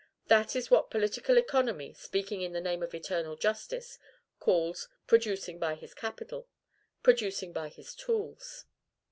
That is what political economy, speaking in the name of eternal justice, calls PRODUCING BY HIS CAPITAL, PRODUCING BY HIS TOOLS.